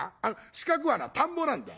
四角はな田んぼなんだよ。